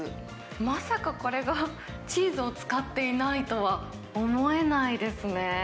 まさかこれが、チーズを使っていないとは思えないですね。